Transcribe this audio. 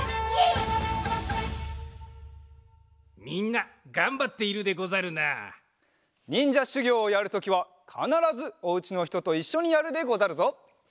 みんながんばっているでござるな。にんじゃしゅぎょうをやるときはかならずおうちのひとといっしょにやるでござるぞ。